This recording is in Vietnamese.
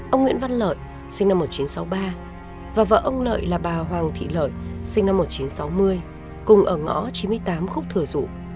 ông nguyễn văn lợi sinh năm một nghìn chín trăm sáu mươi ba và vợ ông lợi là bà hoàng thị lợi sinh năm một nghìn chín trăm sáu mươi cùng ở ngõ chín mươi tám khúc thừa dụ